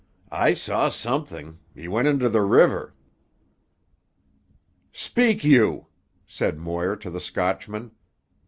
"I saw something—he went into the river." "Speak, you!" said Moir to the Scotchman.